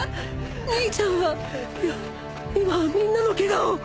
兄ちゃんはいや今はみんなのケガを！